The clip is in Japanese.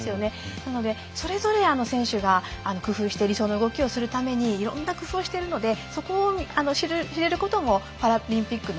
なので、それぞれ選手が工夫して理想の動きをするためにいろんな工夫をしているのでそこを知れることもパラリンピックの